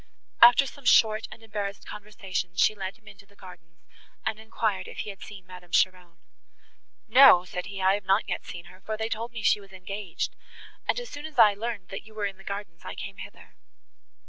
After some short and embarrassed conversation, she led him into the gardens, and enquired if he had seen Madame Cheron. "No," said he, "I have not yet seen her, for they told me she was engaged, and as soon as I learned that you were in the gardens, I came hither."